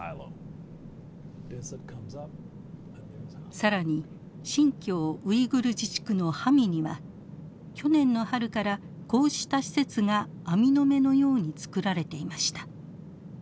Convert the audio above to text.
更に新疆ウイグル自治区のハミには去年の春からこうした施設が網の目のように造られていました。